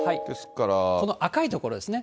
この赤い所ですね。